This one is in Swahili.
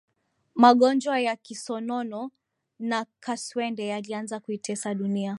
magonjwa ya kisonono na kaswende yalianza kuitesa dunia